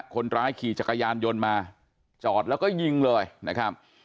คนร้ายขี่จักรยานยนต์มาจอดแล้วก็ยิงเลยนะครับ